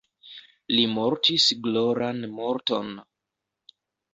Li mortis gloran morton.